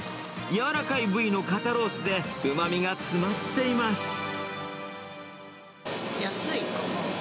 柔らかい部位の肩ロースで、うまみが詰まっています。